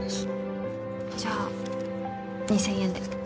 じゃあ２０００円で。